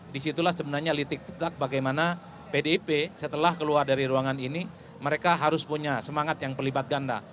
disitulah sebenarnya litik petak bagaimana pdip setelah keluar dari ruangan ini mereka harus punya semangat yang pelibat ganda